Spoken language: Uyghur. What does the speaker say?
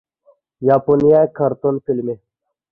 ياپونىيە كارتون فىلىمى